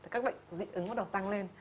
các bệnh dị ứng bắt đầu tăng lên